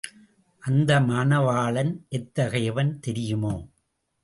அந்த மணவாளன் எத்தகையவன் தெரியுமோ?